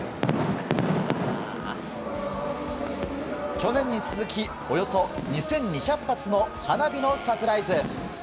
去年に続きおよそ２２００発の花火のサプライズ。